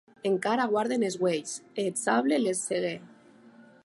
Encara guarden es uelhs, e eth sable les cègue.